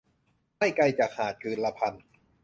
ไม่ไกลจากหาดคืนละพัน